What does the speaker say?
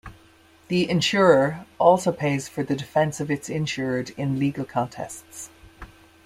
The insurer also pays for the defense of its insured in legal contests.